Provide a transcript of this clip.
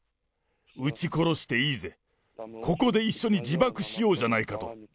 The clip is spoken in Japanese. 撃ち殺していいぜ、ここで一緒に自爆しようじゃないかと。